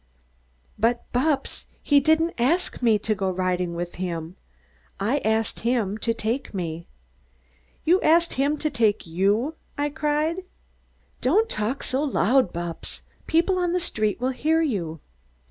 "But, Bupps, he didn't ask me to go riding with him. I asked him to take me." "You asked him to take you?" I cried. "Don't talk so loud, Bupps! The people on the street will hear you."